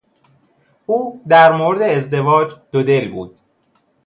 او در مورد ازدواج دو دل بود.